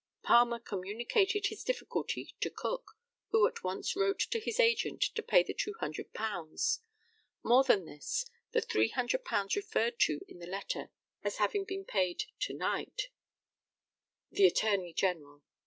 Palmer communicated his difficulty to Cook, who at once wrote to his agent to pay the £200. More than this, the £300 referred to in the letter as having been paid "to night" [The Attorney General.